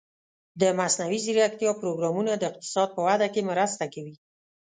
د مصنوعي ځیرکتیا پروګرامونه د اقتصاد په وده کې مرسته کوي.